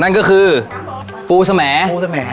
นั่นก็คือปูสะแหมปูสะแหม